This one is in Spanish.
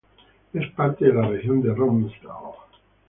Es parte de la región de Romsdal.